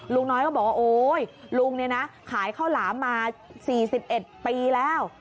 ลุงน้อยก็บอกว่าโอ๊ยลุงเนี่ยนะขายข้าวหลามมา๔๑ปีแล้ว